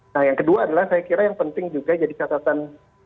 nah yang kedua adalah saya kira yang penting juga jadi catatan